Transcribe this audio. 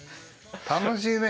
楽しいね。